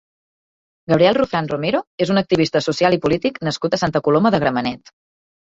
Gabriel Rufián Romero és un activista social i polític nascut a Santa Coloma de Gramenet.